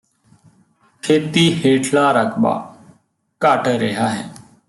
ਖੇਤੀ ਹੇਠਲਾ ਰਕਬਾ ਘਟ ਰਿਹਾ ਹੈ